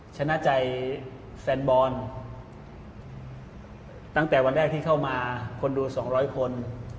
ชนะใจแฟนบอลตั้งแต่วันแรกที่เข้ามาคนดู๒๐๐คน